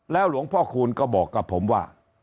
หลวงพ่อคูณก็บอกกับผมว่า